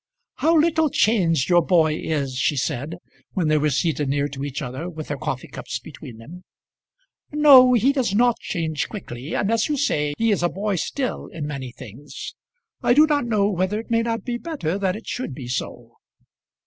"How little changed your boy is!" she said, when they were seated near to each other, with their coffee cups between them. "No; he does not change quickly; and, as you say, he is a boy still in many things. I do not know whether it may not be better that it should be so."